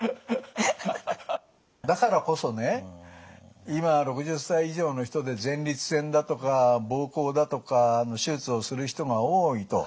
だからこそね今６０歳以上の人で前立腺だとか膀胱だとかの手術をする人が多いと。